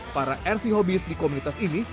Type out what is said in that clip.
para rc hobiis di komunitas ini